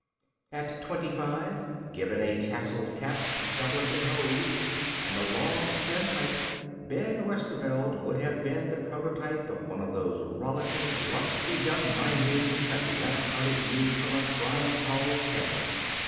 At twenty five, given a tasseled cap, doublet and hose, and a long, slim pipe, Ben Westerveld would have been the prototype of one of those rollicking, lusty young mynheers that laugh out at you from a Frans Hals canvas.